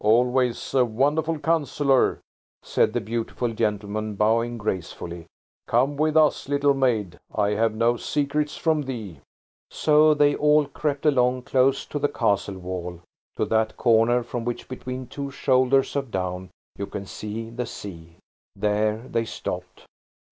"Always a wonderful counsellor," said the beautiful gentleman, bowing gracefully. "Come with us, little maid. I have no secrets from thee." So they all crept along close to the castle wall to that corner from which, between two shoulders of down, you can see the sea. There they stopped.